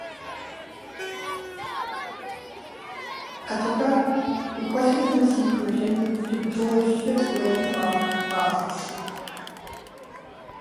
"Patoka" requested and received permission to patrol the shipping lanes off Bahia.